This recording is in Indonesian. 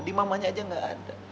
di mamanya aja nggak ada